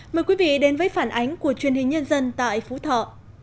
mời quý vị đến với phản ánh của truyền hình nhân dân tại phú thọ